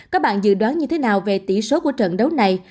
các bạn dự đoán như thế nào về tỷ số của trận đấu này